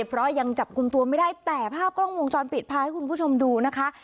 เพราะยังจับกลุ่มตัวไม่ได้แต่ภาพกล้องวงจรปิดพาให้คุณผู้ชมดูนะคะ